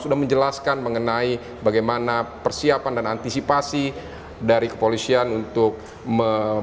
sudah menjelaskan mengenai bagaimana persiapan dan antisipasi dari kepolisian untuk memperbaiki